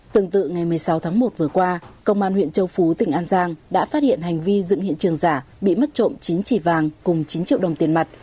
tương tự ngày một mươi sáu tháng một vừa qua công an huyện châu phú tỉnh an giang đã phát hiện hành vi dựng hiện trường giả bị mất trộm chín chỉ vàng cùng chín triệu đồng tiền mặt